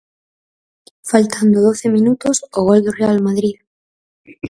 Faltando doce minutos o gol do Real Madrid.